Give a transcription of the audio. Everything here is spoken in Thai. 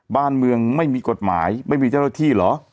บ้านเมืองไม่มีกฎหมายไม่มีเจ้าหน้าที่เหรอ